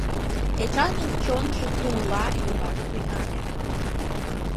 Эчанын чонжо тулла йӱлаш тӱҥале.